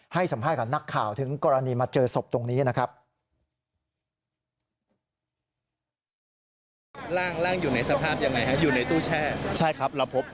ให้สัมภาษณ์กับนักข่าวถึงกรณีมาเจอศพตรงนี้นะครับ